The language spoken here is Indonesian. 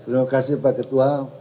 terima kasih pak ketua